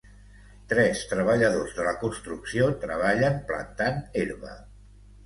Tres treballadors de la construcció treballen plantant herba